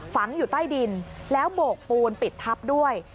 ฝังอยู่ใต้ดินแล้วโบกปูนปิดทับด้วย